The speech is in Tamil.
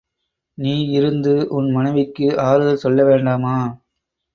நீ இருந்து உன் மனைவிக்கு ஆறுதல் சொல்ல வேண்டாமா?